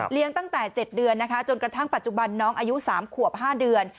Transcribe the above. ตั้งแต่๗เดือนนะคะจนกระทั่งปัจจุบันน้องอายุ๓ขวบ๕เดือน